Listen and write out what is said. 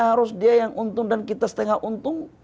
harus dia yang untung dan kita setengah untung